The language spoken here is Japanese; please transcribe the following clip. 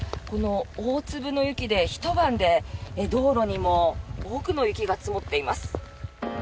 大粒の雪で、ひと晩で道路にも多くの雪が積もっています。